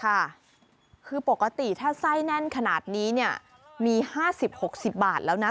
คือปกติถ้าไส้แน่นขนาดนี้เนี่ยมี๕๐๖๐บาทแล้วนะ